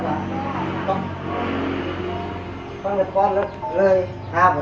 สบายถ้าเขาไม่สบาย